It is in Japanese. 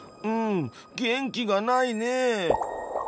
うん元気がないね。